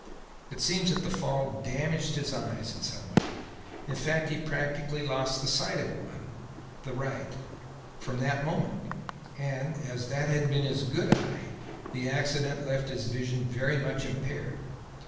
It seems that the fall damaged his eyes in some way; in fact he practically lost the sight of one the right from that moment; and, as that had been his good eye, the accident left his vision very much impaired.